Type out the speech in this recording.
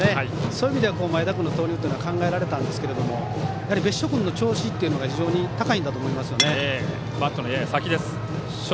そういう意味では前田君の投入というのは考えられたんですけどやはり別所君の調子っていうのが高いんだと思います。